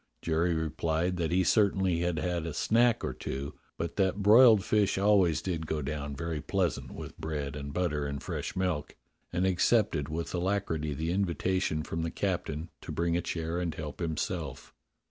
Jerry replied that he certainly had had a snack or two, but that broiled fish always did go down very pleasant with bread and butter and fresh milk, and accepted with alacrity the invitation from the captain to bring a chair and help himself.